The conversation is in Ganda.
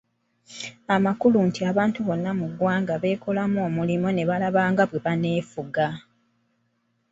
Amakulu nti abantu bonna mu ggwanga beekolamu omulimu ne balaba nga bwe baneefuga.